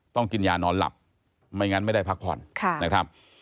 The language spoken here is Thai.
ต้องกินยานอนหลับไม่งั้นไม่ได้พักผ่อนนะครับ